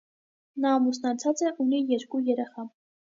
Նա ամուսնացած է, ունի երկու երեխա։